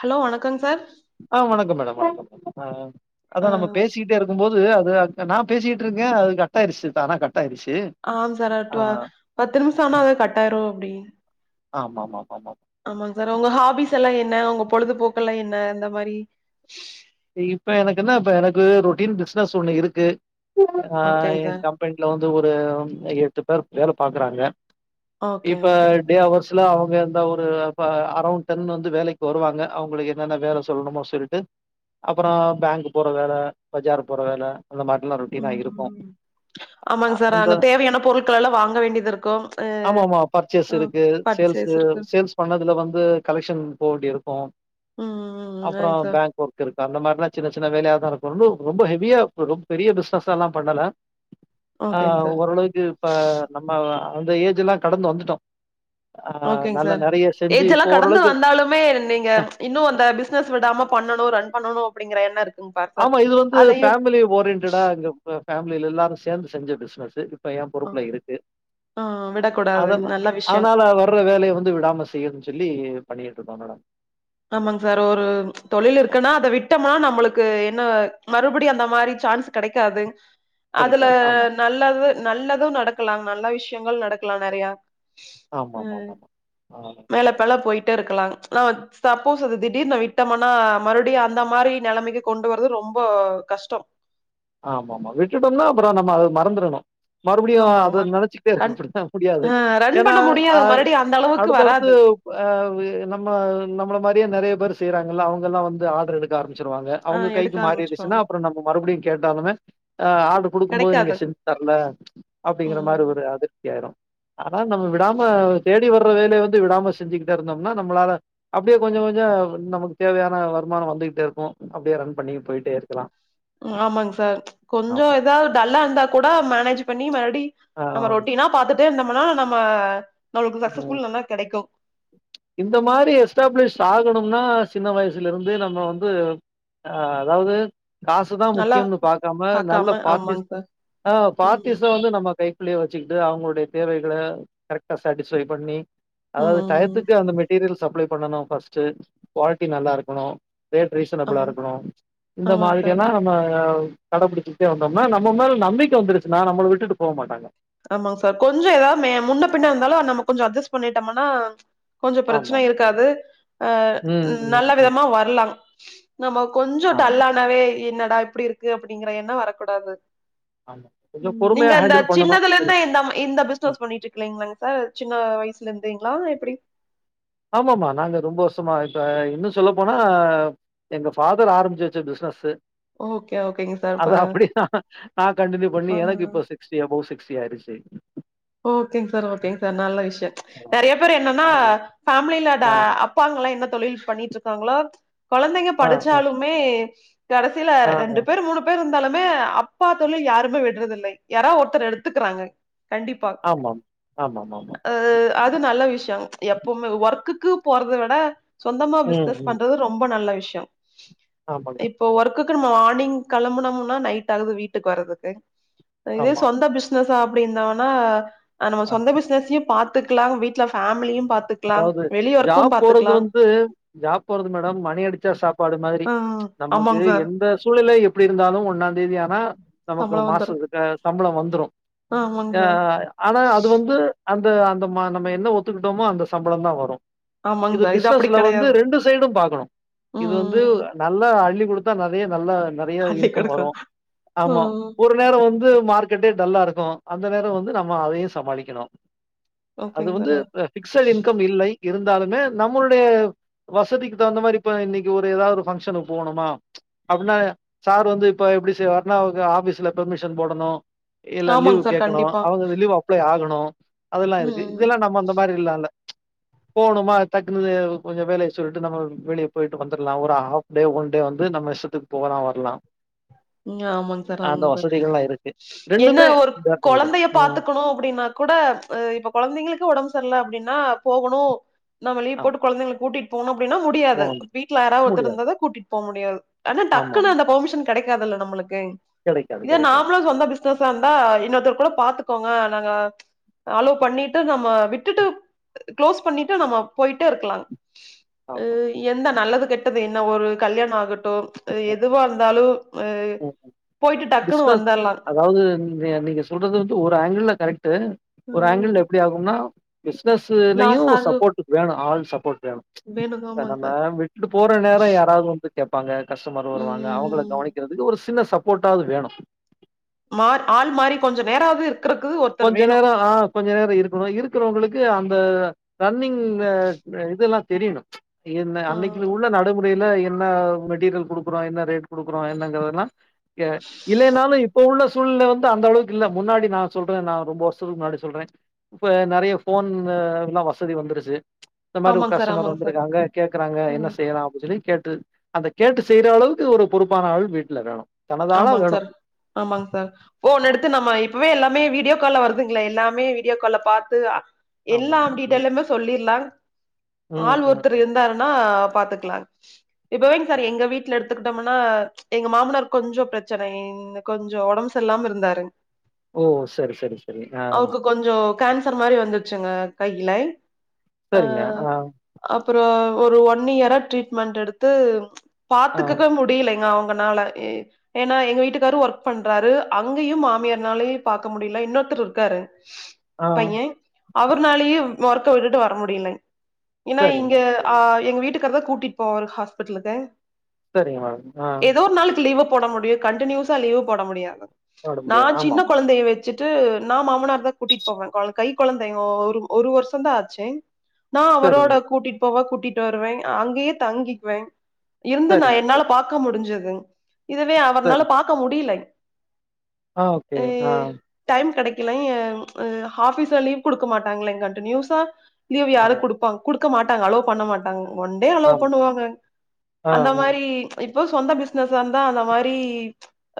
Hello வணக்கங் sir ஆ வணக்கம் மேடம் வணக்கம் ஆ ஆ அதா நம்ம பேஸ் சிட்டே இருக்கும்போது அது நா பேசிட்ருக்கே அது கட் ஆயிடுச்சு தானா கட்டாயிடுச்சி ஆம் சரவட்வா பத்து நிமிஷ ஆனா அத கட்டாயிரு அப்டி ஆமா ஆமாமாமாமாம் ஆமாங்க் சார் உங்க ஹாபிஸ் எல்லா என்ன உங்க பொழுதுபோக்கல்லா என்ன அந்த மாரி இப்ப எனக்கு என்ன இப்ப எனக்கு ரொட்டீன் பிஸ்னஸ் ஒன்னு இருக்கு ஆ ஓகேங் என் சார் கம்ப் ஃப்ரண்ட்ல வந்து ஒரு எட்டு பேர் வேல பாக்குறாங்க ஓகே இப்ப ஓகேங் டே சார் அவர்ஸ் லா அவங்க எந்த ஒரு ப அரவுண்ட் டென் வந்து வேலைக் வருவாங்க அவங்களுக்கு என்னென்ன வேல சொல்லணுமோ சொல்லிட்டு அப்பறோ பேங்க் போற வேல பஜார் போற வேல அந்த மாரில்லா ரொட்டீனா இருக்கு ஆமாங்க சார் அந்த அங்க தேவையான பொருட்களள்ளா வாங்க வேண்டியது இருக்கு எ பர்ச்சஸ் இருக்கு சேல்ஸ் சேல்ஸ் பண்ணதுல வந்து கலெக்ஷன் போக வேண்டி இருக்கு ம் ம் ம் ம் ம் ஆங்க சார் இருக்கு அந்த மாதிரிலா சின்ன சின்னவேலையாதா இருக்கு ரொம்ப ஹெவியா பெரிய பிசனஸ் எல்லா பண்ணல ஆ ஓகேங் சார் ஓரளவுக்கு இப்ப நம்ம அந்த ஏஜ் எல்லா கடந்து வந்துட்டோ ஓகேங்க சார் ஏஜ் எல்லா இப்போ கடந்து ஓரளவுக்கு வந்தாலுமே நீங்க இன்னு அந்த பிசினஸ் விடாம பண்ணணும் ரன் பண்ணணு அப்டிங்கிற எண்ண இருக் ஆமா இது வந்து பேமிலி ஓரியன்டடா இங்க பேமிலில எல்லாரு சேர்ந்து செஞ்ச பிசினஸ் இப்ப ஏ ஆ பொறுப்புல இருக்கு ஆ விடக்கூடாதுங் அதன்னா நல்ல விஷயோ அதனால வர்ற வேலைய வந்து விடாமஸ் செய்யனுன்னு சொல்லி பண்ணிட்டுருக்கோ மேடம் ஆமாங் சார் ஒரு தொழில் இருக்குன்னா அத விட்டோமா நம்மளுக்கு என்ன மறுபடி அந்த மாரி சான்ஸ் கெடைக்காது அதுல கிடைக்காது. ஆமா. நல்லது நல்லது நடக்கலா நல்ல விஷயங்கள் நடக்கலா நெறையா ம் ஆமாமாமா. ஆ. மேலப்பல போயிட்டே இருக்கலாங் நோட்ஸ் சப்போஸ் அது திடீர்னு ந விட்டமனா மறுபடியு அந்த மாரி நெலமைக்கு கொண்டு வரது ரொம்ப கஷ்டோ ஆமம்மா விட்டுட்டோம்னா அப்பறோ நம்ம அது மறந்துரணு மறுபடியு அத ஆமாங்கம்மா. நெனைச்சுக்கிட்டே ரன் இருக்ககூட முடியாது அ ரன் ஏன்னா பண்ண முடியாது. அ மறுபடியும் அந்த அளவுக்கு அடுத்தடுத்து வராது. ஆ வே நம்ம நம்மள மாரியே நெறைய பேர் செய்றாங்கல்ல அவங்கல்லா வந்து ஆர்டர் எடுக்க ஆரம்பிச்சிருவாங்க ஆ அவங்க எடுக்க கைக்கு ஆரம்பிச்சுருவாங்க. மாறிடுச்சன்னா அப்றோ நம்ம மறுபடின் தாபமே அ ஆர்டர் குடுக்கும் போது நீங்க கெடைக்காது. செஞ் தர்ல அப்டிங்குற மாரி ம். ஒரு அதிருப்தி ஆயிரு அதா நம்ம விடாம தேடி வர்ற வேலைய வந்து விடாம செஞ்சுக்கிட்டே இருந்தோம்னா நம்மளால அப்டியே கொஞ்சொ கொஞ்சொ நமக்கு தேவையான வருமானொ வந்துகிட்டே இருக்கு அப்டியே ரன் பண்ணி போயிட்டே இருக்கலா ம் ஆமாங் சார் கொஞ்சோ எதாவ் டல்லா இருந்தா கூட மேனேஜ் பண்ணி மறுபடி நம்ம ஆம். ரொட்டீனா பாத்துட் டு நம்மளால நம்ம நம்ள்க்கு ம். சக்சஸ்ஃபுல் நல்லா கெடைக்கு இந்த மாரி எஸ்டாப்ளிஷ் ஆகணும்னா சின்ன வயசுல இருந்தே நம்ம வந்து ஆ அதாவ்து காசுதா நல்லா முக்கியம்னு பாக்காம நல்ல பார்ட்டிஸ் ஆமாங் சார் ஆ ம் பார்ட்டிஸ்ஸ வந்து நம்ம கை குள்ளே வச்சுக்கிட்டு அவங்களுடைய தேவைகள கரெக்டா சேட்டிஸ்ஃபை பண்ணி ம் அதாவது ம் டயத்துக்கு ம் அந்த மெட்டீரியல் சப்ளை பண்ணணா ஃபஸ்ட்டு க்வாலிட்டி நல்லா இருக்கணு ரேட் ரீசனபிளா ஆமாங் இருக்கணு இந்த ஆமாங் சார் மாதிரியான ந்ந கடபுடிச்சிக்ட்டே வந்தோம்னா நம்ம மேல நம்பிக்க வந்துருச்சுன்னா நம்மள விட்டுட்டு போ மாட்டாங்க ஆமாங் சார் கொஞ்சோ எதாவ் மே முன்ன பின்ன இருந்தாலு நம்ம கொஞ்சோ அட்ஜஸ் பண்ணிட்டம்னா கொஞ்சோ ப்ரச்சன ஆமாமாமா. இருக்காது அ ம் நல்ல விதமா வர்லா நம்ம கொஞ்சோ ஆமா, டல்லானாவே என்னடா இப்டி இருக்கு அப்டிங்கற எண்ணோ வரக்கூடாது ஆமா கொஞ்சொ ம் பொறுமையா நீங்க இந்த ஹேண்டில் ப சின்னதுல இருந்தே இந்தம் இந்த பிசினஸ் பண்ணிட்ருக்கலீங்களாங் சார் சின்ன வயசுல இருந்தேங்களா எப்டி ஆமமா நாங்க ரொம்ப வருஷமா இப்ப இன்னு சொல்ல போனா எங்க ஃபாதர் ஆரம்பிச்சு வச்ச பிசினஸ் ஓகே, ஓகேங்க சார். இப்ப அது அப்டிதா நான் கண்டினியூ ஆ பண்ணி எனக்கு இப்ப சிக் ஸ்டி அபோவ் சிக்ஸ்டி ஆயிருச்சு ஓகேங் சார் ஓகேங் சார் நல்ல விஷயோ நெறைய பேர் என்னன்னா ஆமா. ஃபேமிலில டா ஆ, அப் பாங்களா என்ன தொழில் பண்ணிட்டு இருக்காங்களோ கொழந்தைங்க ஆ, ஆ, படிச்சாலுமே கடசில ஆ, ரெண்டு ஆ. பேர் மூணு பேர் இருந்தாலுமே அப்பா தொழில் யாருமே விடுறதுல்லை யாராவ் ஒருத்தர் எடுத்துக்கறாங்க கண்டிப்பா ஆமாம். ஆமாமாமா. அது அது நல்ல விஷயொம் எப்பவுமே ஒர்க்குக்கு போறத விட சொந்தமா ம், பிஸ்னஸ் ம். பண்றது ரொம்ப நல்ல விஷயோ ஆமாங்க இப்போ ஒர்க்குக்கு நம்ம மார்னிங் கெளம்புனோம்னா நைட் ஆகுது வீட்டுக்கு வரதுக்கு இதே ஆமா. சொந்த பிஸ் ஸ்னஸா அப்டின்ன வேணா அ நம்ம சொந்த பிசினஸையே பாத்துக்கலா வீட்டுல ஃபேமிலியு பாத்துக் அதாவ்து ஜாப் போறது வந்து ஜாப் போறது மேடம் மணி அடிச்சா சாப்பாடு மாதிரி ஆ நமக்கு ஆமாங் சார் எந்த சூழ்நில எப்டி இருந்தாலு ஒன்னாந்தேதி ஆனா நமக்கு சம்பள வந்துரு மாசுத்து க சம்பள வந்துரு ஆ ஆமாங் தா சார் ஆனா அது வந்து அந்த அந்தமா நம்ம என்ன ஒத்துக்குட்டோமோ அந்த சம்பளந்தா வரு ஆமாங் இது சார் அப்டி பிசினஸ்ல வந்து கெடையாது ரெண்டு சைடும் பார்க்கணு இது ம் வந்து ம் நல்லா அள்ளி கொடுத்தா நெறைய நல்லா நெறைய அள்ளி இன்கம் குடுக்கு வரு ஆமா ம் ஒரு நேரோ வந்து மார்க்கெட்டே டல்லா இருக்கு அந்த நேரொ வந்து நம்ம அதையு சமாளிக்கணு அது ஓகேங் வந்து சார் அ பிக்சட் இன்கம் இல்லை இருந்தாலுமே நம்மளுடைய வசதிக்கு தகுந்த மாரி இப்ப இன்னைக்கு ஒரு எதாவ் ஒரு ஃபங்க்ஷனு போணுமா அப்டின்னா சார் வந்து இப்ப எப்டி செய்வாருன்னா அவங்க ஆஃபீஸ்ல பெர்மிஷன் போடணு இல்ல லீவு ஆமாங் சார் கேக்கணு கண்டிப்பா அவங்க அந்த லீவு அப்ளை ஆகணு அதெல்லா இருக்கு ம் இதெல்லா நம்ம அந்த மாரி இல்ல ல்ல போணுமா டக்குனு கொஞ்சொ வேலைய சொல்ட்டு நம்ம வெளியே போயிட்டு வந்தர்லா ஒரு ஆஃப் டே ஒன் டே வந்து நம்ம இஷ்டத்துக்கு போகலா வர்லா ம் ஆமாங் சார் ஆமாங் சார் என்ன ரெண்டுமே ஒரு பேர் பண்ணிக்கலா கொழந்தைய ம் பாத்துக்கணு அப்டின்னா கூட இப்ப கொழந்தைங்ளுக்கு ஒடம் சரில்ல அப்டின்னா போகனு நம்ம லீவ் ஆமா போட்டு கொழந்தைங்கள கூட்டி போனு அப்டின்னா முடியாதுங் போனு வீட்ல யாரா ஒர்த்தர் முடியாது இருந்ததா கூட்டிட் போமுடியாதுங் ஆனா ஆமா டக்குன்னு ஆமா அந்த பர்மிஷன் முடியாதுல்ல நம்மளுக்கு கெடைக்காது இதே கெடைக்காது நாமளு சொந்த பி சினஸ்ஸாந்தா இன்னொருத்தர கூட பாத்துக்கோங்க நாங்க அலோ பண்ணிட்டு நம்ம விட்டுட்டு க்ளோஸ் பண்ணிட்டு நம்ம போய்ட்டேருக்கலாங் ஆ ஆமா எந்த நல்லது கெட்டது என்ன ஒரு கல்யாணோ ஆகட்டு ம் எதுவா இருந்தாலு ம் போய்ட்டு டக்குனு வந்தர்லா அதாவ்து நீ நீங்க சொல்றது வந்து ஒரு ஆங்கிள்ல கரெக்ட்டு ஒரு ம் ஆங்கிள்ல எப்டி ஆகும்னா பிசினஸ்லயு லாஸ் ஒரு ஆகு சப்போர்ட்டுக்கு வேணு ஆள் சப்போர்ட் வேணு வேணுங்க ப்ப ஆமாங்க நம்ம சார் வி ட்டுட்டு போற நேரோ யாராவ்து வந்து கேப்பாங்க கஸ்டமர் ம் வருவாங்க அவுங்கள ம் கவனிக்கிறதுக்கு ஒரு சின்ன சப்போர்ட் டாவ்து வேணு மா ஆள் மாறி கொஞ்ச நேராது க்ருக்கு ஒ கொஞ்ச நேரோ ஆ கொஞ்ச நேரோ இருக்கணு இருக்கிறோங்களுக்கு அந்த ரன்னிங் இதெல்லா தெரிணு என்ன ஆ அன்னக்கி உள்ள ந டை முறைல என்ன மெட்டீரியல் குடுக்குறோ என்ன ரேட் குடுக்குறோ என்னங்கறதெல்லா இல்லைனாலு இப்ப உள்ள சூழ்நெல வந்து அந்தளவுக்கு இல்ல முன்னாடி நா சொல்றே நா ரொம்ப வர்ஷத்துக்கு முன்னாடி சொல்றே இப்ப நறைய ஃபோன்ல்லா வசதி வந்துருச்சு இந்த மாரி ஒரு ஆமாங்க சார் கஸ்டமர் ஆமாங்க சார் வந்திருக்காங்க கேக்குறாங்க என்ன ம் செய்யலா அப்டின் சொல்லி கேட்டு அந்த கேட்டு செய்ற அளவுக்கு ஒரு பொறுப்பான ஆள் வீட்ல வேணு தனது ஆளா ஆமாங் வேணு சார் ஆமாங் சார் ஃபோன் ஆமா எடுத்து நம்ம இப்பவே எல்லாமே வீடியோ கால்ல வருதுங்ள எல்லாமே வீடியோ கால்ல பாத்து ஆமாமா எல்லாம் ம் டீட்டெயிலுமே சொல்லிர்லாங் ம் ஆள் ம் ஒர்த்தரு ம் இருந்தாங் னா பாத்துக்லாங் இப்பவேங் சார் ஆமா எங்க வீட்ல எடுத்துக்கிட்டோம்னா எங்க மாமனார் கொஞ்ச பிரச்சன கொஞ்சோ ஒடம் சர்ல்லாம இருந்தாருங் ஓ செரி செரி செரி ஆ அவருக்கு கொஞ்சோ கேன்சர் மாரி வந்துர்ச்சுங்க கைலை ஆ சரிங்க ஆ அப்புறோ ஒரு ஒன் இயரா ட்ரீட்மென்ட் எடுத்து ஆ பாத்துக்கக்க மு டிலைங்க அவுங்கனால ஏனா எங்க வீட்டுக்காரு ஒர்க் பண்றாரு அங்கயு மாமியார்னாலய் பாக்க முடில இன்னொர்த்தர் இருக்காரு ஸ் ஆ பையே அவர்னாலயு வொர்க்க விட்டுட்டு வர முடிலங் ஏனா சரிங்க இங்க மேடம் ஆ சரி எங் வீட்டுக்காரு தா கூட்டிட் போவாரு ஹாஸ்பிட்லுக்கு சரிங்க மேடம் ஆ எதோ ஒர் நாளுக்கு லீவ போட முடியு கன்டினியூஸா லீவு போட முடியாது போட நா முடியாது சின்ன ஆமாமா கொழந்தைய வச்சு ட்டு நா மாமனார தா கூட்டிட் போவே கொ கை கொழந்தைங் ஒரு ஒரு வர்ஷோ தா ஆச்சு நா அவரோட சரிங்க கூட்டிட் போவே கூட்டிட் வருவே அங்கயே தங்கிக்வே இருந்து நா சரிங்க என்னால சரி பா க்க முடிஞ்சதுங் இதுவே அவர்னால சரி பாக்க முடிலை ஆ ஓகே ஆ டைம் கெடைக்லை ஆ ஹாஃபீஸ்ல லீவ் குடுக்க மாட்டாங்ளேங் கன்ட்டினுயூஸா லீவ் யாரு ஆமா குடுப்பாங் குடுக்க மாட்டாங்க அலோவ் பண்ண மாட் டாங்க ஒன்டே அலோவ் ஆமா பண்ணுவாங்க ஆ அந்த ம் மாரி இப்ப சொந்த பிசினஸ்ஸாந் நா அந்த மாரி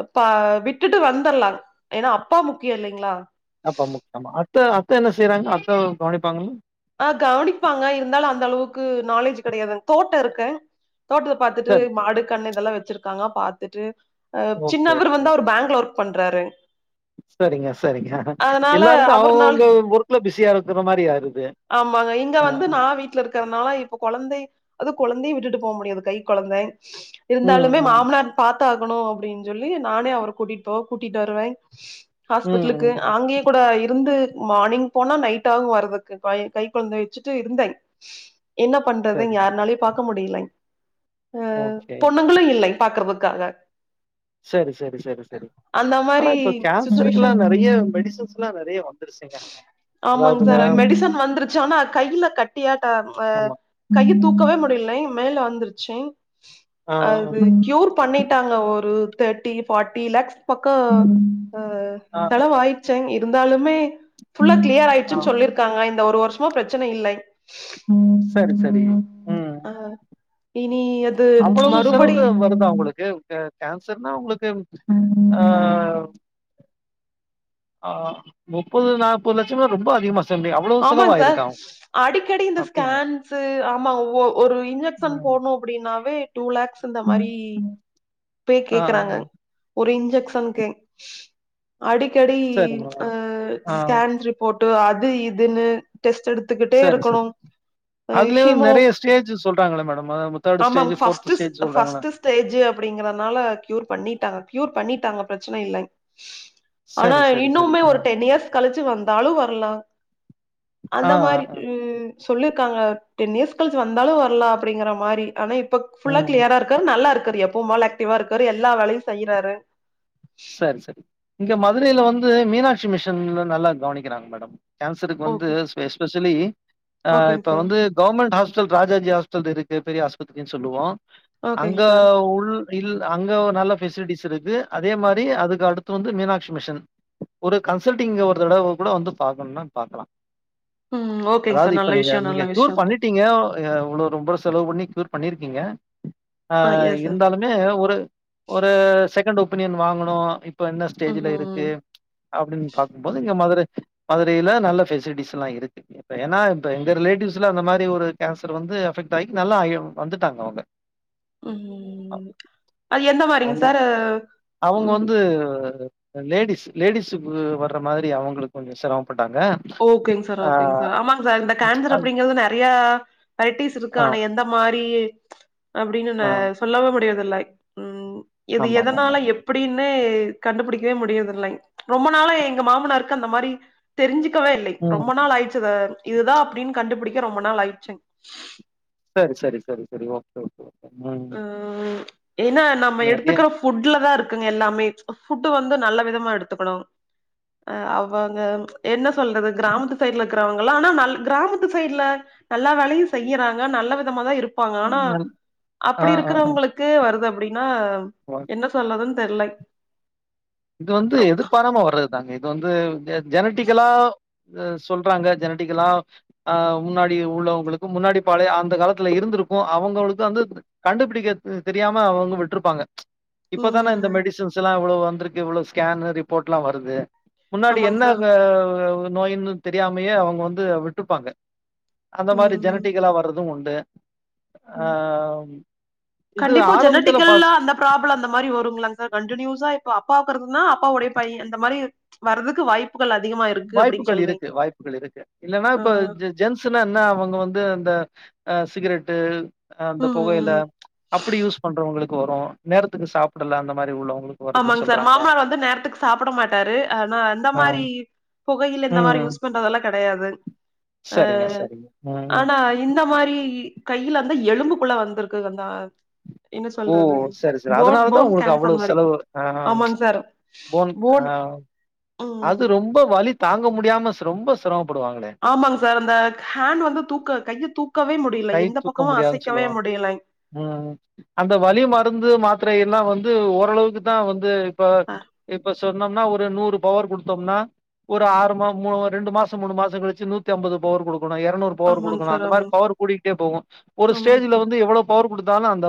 இப்ப விட்டுட்டு வந்துட்லா ஏனா அப்பா முக்கிய இல்லங்களா அப்பா முக் அத்த அத்த என்ன செய்றாங்க அத்த கவனிப்பாங்கள ஆ கவனிப்பாங்க இருந்தாலு அந்த அளவுக்கு நாலேஜ் கிடையாது தோட்டம் இருக்கு தோட்டத்த பாத்துட்டு சரி மாடு கண்ணு இதல்லா வச்சிருக்காங்க பாத்துட்டு அ ஓகே சின்னவர் ஓகே வந்து அவர் பேங்க்ல ஒர்க் பண்றாரு சரிங்க சரிங்க அதனால எல்லார்க்கு அவர்னால அவஅவங்க ஒர்க்ல பிஸியா இருக்குற மாரி ஆகுது ஆமாங்க இங்க வந்து நா வீட் வீட்ல இருக்றதுனால இப்ப கொழந்தை அது குழந்தையு விட்டுட்டு போவ முடியாது கைக் கொழந்தை ம், இருந்தாலுமே ம். மாமனார் பாத்தாகணு அப்படின்ஞ்சொல்லி நானே அவர கூட்டிட்டு போவே கூட்டிட்டு வருவே ம், ஹாஸ்பிட்டலுக்கு ம், ம். அங்கேயே கூட இருந்து மானிங் போனா நைட் ஆகு வரதுக்கு கைக்கொழந்தய வச்சுட்டு இருந்த என்ன பண்றதுங் சரி. யார்னாலயு பாக்க முடியலங் அ ஓகே. பொண்ணுங்களு இல்லை பாக்குறதுக்காக சரி சரி சரி சரி ஆனா மாரி இப்ப சுச்சுவேஷன் கேன்சருக்லா நெறய மெடிசன்ஸ் எல்லா நெறய வந்துருச்சுங்க ஆமாங் அதாவதுங்க சார் மெடிசன் வந்துருச் சானா ஆனா கையில கட்டியாட்டம் அ ஆமா. கைய தூக்கவே முடியலைங் மேல வந்துருச்சுங் ஆ, ஆ. அது க்யூர் பண்ணிட்டாங்க ஒரு தேட்டி ஃபாட்டி லக்ஸ் பக்க ஆ, செலவாயி சுங் இருந்தாலுமே ஃபுல்லா க்ளியர் ஆ. ஆய்டுச்சுனு சொல்லிருக்காங்க இந்த ஒரு வருஷமா பிரச்சன இல்லை ம் சரி சரி ம். ஆ இனி அது அவ்வளவு மறுபடி செலவு வருதா உங்களுக்கு இப்ப கேன்சர்னா உங்களுக்கு அ ஆ முப்பது நாப்பது லட்சம்லா ரொம்ப அதிகமா சொல்றீங்க அவ்ளோ ஆமாங் சார் செலவாயிருக்கா அடிக்கடி இந்த அப்டிங்களா ஸ்கேன்ஸ் ஆமா ஒ ஒரு இன்ஜெக்சன் ம் போட்ணு அப்டின்னாவே டூ லேக்ஸ் இந்த ம் மாறி ம் அப்பவே ஆ ஆ ஆ கேக்குறாங்கங் ஒரு இன்ஜெக்ஷன்கேங் அடிக்கடி சரிங்க அ மேடம் ஆ ஸ்கேன் ரிப்போர்ட்டு அது இதுன்னு டெஸ்ட் எடுத் த்துக்கிட்டே சரி இருக்கணு சரி அதுலயு ஹீமோ நெறையா ஸ்டேஜ் சொல்றாங்கள மேடம் அதாது தேடு ஸ்டேஜ் ஃபோர்த் ஸ்டேஜ் சொல்றாங்கள த்து ஸ்டேஜ் அப்டிங்கறதுனால கியூர் பண்ணிட்டாங்க கியூர் பண்ணிட்டாங்க பிரச்சன இல்லங் ஆனா சரி சரி சரி இன்னுமே ஒரு ஆ டென் இயர்ஸ் கழுச்சு வந்தாலு வரலா ஆ அந்த மாறி ஆ. ம் சொல்லிருக்காங்க டென் இயர்ஸ் கழுச்சு வந்தாலு வரல அப்டிங்கற மாறி ஆனா இப்ப ஃபுல்லா ம் ம் கிளியரா இருக் இருக்காரு நல்லா இருக்காரு எப்பவு போல ஆக்டிவா இருக்காரு எல்லா வேலையு செய்றாரு செரி செரி இங்க மதுரையில வந்து மீனாட்சி மிஷன்ல நல்லா கவனிக்கிறாங்க மேடம் கேன்சருக்கு வந்து ஓகே எஸ்பெஷலி ஆ ஓகேங் இப்ப சார் வந்து கவர்மெண்ட் ஹாஸ்டல் ராஜாஜி ஹாஸ்டல் இருக்கு பெரிய ஆஸ்பத்திரினு சொல்லுவோ அங்க ஓகேங் சார் உள் இல் அங்க நல்ல ஃபெசிலிட்டிஸ் இருக்கு அதே மாரி அதுக்கு அடுத்து வந்து மீனாட்சி மிஷன் ஒரு கன்சல்டிங் ஒரு தடவ கூட வந்து பாக்கணுனா பாக்கலா ம். ஓகேங்க அதாவது சார். இப்ப நல்ல நீங்க விஷயம், நீங்க நல்ல கியூர் விஷயம். பண்ணிட் டிங்க இவ்ளவு ரொம்ப செலவு பண்ணி க்யூர் பண்ணிருக்கீங்க ஆ எஸ் சார். இருந்தாலு இன்னு ஒரு ஒரு செகண்ட் ஒப்பீனியன் வாங்கனு இப்ப என்ன ஸ்டேஜ்ல ம். இருக்கு அப்படின் பாக்கும் போது இங்க மதுர மதுரையில நல்ல ஸ்பெசிலிடிஸ்லா இருக்கு இப்ப ஏனா இப்ப எங்க ரிலேட்டிவ்ஸ்ல அந்த மாரி ஒரு கேன்சர் வந்து அஃபக்ட் ஆகி நல்லாயி வந்துட்டாங்க அவங்க ம் அது எந்த மாரிங் சாரு அவுங்க வந்து து லேடிஸ் லேடிஸ் கு வர்ற மாரி அவுங்களுக்கு கொஞ்ச சிரமப் பட்டாங்க ஓகேங் சார் ஓகேங் சார் ஆமாங் சார் இந்த கேன்சர் அது அப்டிங்கிறது நெறையா வெரைட்டிஸ் இருக்கு ஆ ஆனா எந்த மாரி அப்டின்னு நா ஆ சொல்லவு முடியறதில்ல ம் இது ஆமா ஆமா ஆமா எதனால ஆமா. எப் ப்டின்னு கண்டு புடிக்கவே முடியிறதில்லைங் ரொம்ப நாளா எங்க மாமனாருக்கு அந்த மாரி தெரிஞ்சு க்கவே இல்லைங் ம். ரொம்ப நாள் ஆயிடுச்சு சார் இதுதா அப்டின் கண்டுபுடிக்க ரொம்ப நாள் ஆயிடுச்சுங் செரி செரி செரி செரி ஓகே ஓகே ஒகே ம் ம் ஏனா நம்ம நெறைய எடுத்துக்கிற ஃபுட்ல தா இருக்குங்க எல்லாமே ஃபுட் வந்து நல்ல விதமா எடுத்துக்கனு அ அவங்க என்ன சொல்றது கிராமத்து சைட்ல க்கறவங்கல்லா ஆனா நல் கிராமத்து சைட்ல நல்லா வேலையு செய்றாங்க நல்ல விதமா தா இருப்பாங்க ஆனா நல் ஆ, அப்டி இருக்குறவங்களுக்கு வருது அப்டினா வா என்ன சொல்றதுன் தெர்லை இது வந்து எதிர்பாரமா வர்றது தாங்க இது வந்து ஜெ ஜெனட்டிகலா இத சொல்றாங்க ஜெனடிகல்லா அ முன்னாடி உள்ளவங்களுக்கு முன்னாடி பழைய அந்த காலத்துல இருந்திருக்கு அவுங்களுக்கு வந்து கண்டுபுடிக்க ம் தெரியாம அவுங்க விட்டுருப்பாங்க இப்பதான இந்த ம் மெடிசின்ஸ் எல்லா இவ்ளோ வந்திருக்கு இவ்ளோ ஸ்கேன்னு ரிப்போட்லா வருது முன்னாடி ஆமாங்க என்ன சார் அ நோயின்னு தெரியாமையே அவுங்க வந்து விட்டுற்பாங்க அந்த மாரி ம் ஜெனட்டிகலா வர்றது உண்டு ஆ இது கண்டிப்பா ஆரம்பத்துல ஜெனடிகல்லா ஃபர்ஸ்ட் அந்த ப்ராப்ள அந்த மாரி வருங்களாங் சார் கண்டினியூஸா இப்ப அப்பாவுக் இருந்ததுன்னா அப்பாவுடைய பைய அந்த மாரி வர்துக்கு வாய்ப் புகல் அதிகமாயிர் வாய்ப்புகள் இருக்கு வாய்ப்புகள் இருக்கு இல்லன்னா இப்ப ஆ ஜெ ஜென்ஸ்னா என்ன அவுங்க வந்து அந்த அ சிகரெட்டு அந்த ம் பொகயில ம் அப்டி யூஸ் பண்றவங்களுக்கு வரு நேரத்துக்கு சாப்பிடல அந்த மாரி உள்ளவங்களுக் ஆமாங்க சார் மாமனார் வந்து நேரத்துக்கு சாப்ட மாட்டாரு ஆனா அந்த ஆ. மாரி புகையில இந்த மாரி ம். யூஸ் பண்றதெல்லா கெடையாது ஆ சரிங்க, சரிங்க. ம், ம். ஆனா இந் இந்த மாரி கையில வந்து எலும்புக்குள்ள வந்திருக்கு அந்த என்ன ஓ! சொல்றது போன் போன் கேன்சர் மாரி சோ ஆ ஆமாங் சார் போன் அது ம் ரொம்ப வலி தாங்க முடியாம ரொம்ப சிரமப் படுவாங்களே ஆமாங் சார் அந்த ஹேண்ட வந்து தூக்க கைய தூக்கவே முடியலை கை எந்த தூக்க பக்கமு முடியாதுன்னு அசைக்கவே சொல்லுவாங்க முடியல ம் அந்த வலி மருந்து மாத்திர எல்லா வந்து ஓரளவுக்கு தா வந்து இப்ப அ இப்ப சொன்னோம்னா ஒரு நூறு பவர் குடுத்தம்னா ஒரு ஆறுமா மூ ரெண்டு மாசோ மூணு மாசோ கழிச்சி நூத்தி ஐம்பது பவர் குடுக்கணு எரநூறு பவர் ஆமாங்க குடுக்கணு சார் அந்த மாரி ஆமாங்க பவர் கூடிக்கிட்டே போகு ஒரு ஆமாங்க ஸ்டேஜ்ல வந்து எவ்ளோ பவர் குடுத்தாலு அந்த